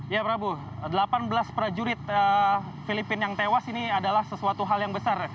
ya prabu delapan belas prajurit filipina yang tewas ini adalah sesuatu hal yang besar